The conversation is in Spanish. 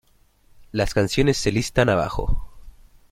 Las canciones se listan abajo.